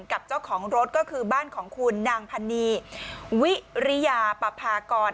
กับเจ้าของรถก็คือบ้านของคุณนางพันนีวิริยาปภากร